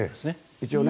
一応ね。